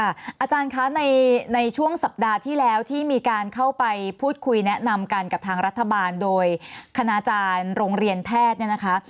อาจารย์คะในช่วงสัปดาห์ที่แล้วที่มีการเข้าไปพูดคุยแนะนำกันกับทางรัฐบาลโดยคณาจารย์โรงเรียนแพทย์เนี่ยนะคะ